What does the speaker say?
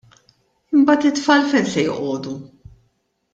Imbagħad it-tfal fejn se joqogħdu?